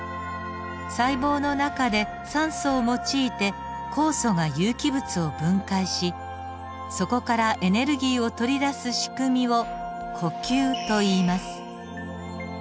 細胞の中で酸素を用いて酵素が有機物を分解しそこからエネルギーを取り出す仕組みを呼吸といいます。